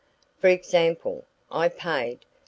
For example I paid $2.